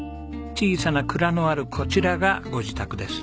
小さな蔵のあるこちらがご自宅です。